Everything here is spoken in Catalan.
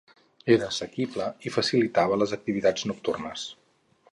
Era assequible i facilitava les activitats nocturnes.